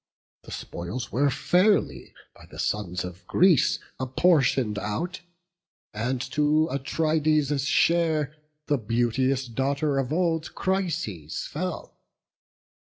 The spoils were fairly by the sons of Greece Apportion'd out; and to Atrides' share The beauteous daughter of old Chryses fell.